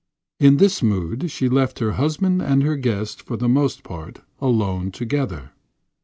In this mood she left her husband and her guest, for the most part, alone together.